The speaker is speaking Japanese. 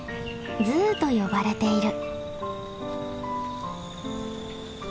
ズーと呼ばれている。